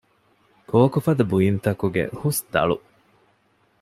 ކޯކުފަދަ ބުއިންތަކުގެ ހުސްދަޅު